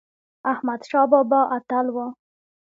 احمد شاه بابا اتل و